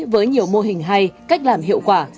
với nhiều mô hình hay cách làm hiệu quả